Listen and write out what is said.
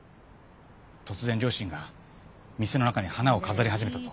突然両親が店の中に花を飾り始めたと。